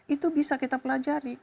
itu bisa kita pelajari